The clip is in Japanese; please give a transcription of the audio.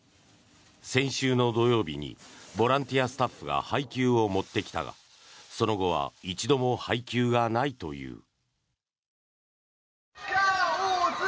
先週の土曜日にボランティアスタッフが配給を持ってきたがその後は一度も配給がないという。